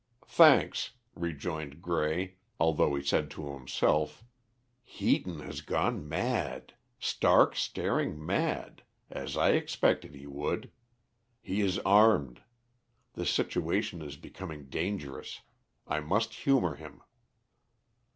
"Thanks," rejoined Grey, although he said to himself, "Heaton has gone mad! stark staring mad, as I expected he would. He is armed. The situation is becoming dangerous. I must humour him."